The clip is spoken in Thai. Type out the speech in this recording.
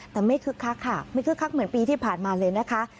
แต่ไม่คึกคักค่ะไม่คึกคักเหมือนปีที่ผ่านมาเลยนะคะ